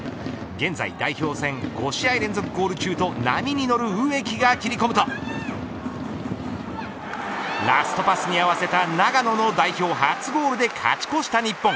現在、代表戦５試合連続ゴール中と波に乗る植木が切り込むとラストパスに合わせた長野の代表初ゴールで勝ち越した日本。